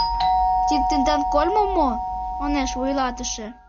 — Тиде тендан кольмо мо? — манеш вуйлатыше.